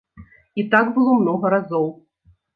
І так было многа разоў.